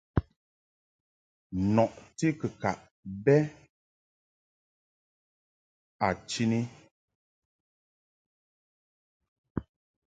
Nɔti kɨkaʼ bɛ a chini.